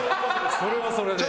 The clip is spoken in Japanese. それはそれで。